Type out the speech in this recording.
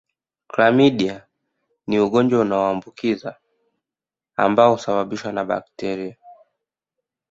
Klamidia ni ugonjwa wa kuambukiza ambao husababishwa na bakteria